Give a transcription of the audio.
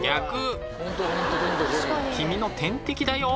「君の天敵だよ」